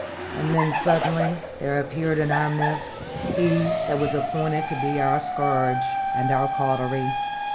And then suddenly there appeared in our midst he that was appointed to be our scourge and our cautery.